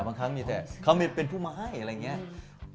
บางครั้งมีแต่เขาเป็นผู้มาให้อะไรอย่างนี้